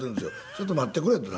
ちょっと待ってくれって。